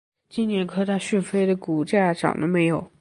今年科大讯飞的股价涨了没有？